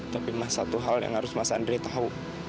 tapi satu hal yang harus mas andre tahu